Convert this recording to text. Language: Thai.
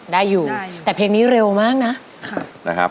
ได้อยู่แต่เพลงนี้เร็วมากนะค่ะได้อยู่